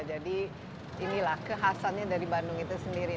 jadi inilah kehasannya dari bandung itu sendiri